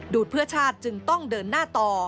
เพื่อชาติจึงต้องเดินหน้าต่อ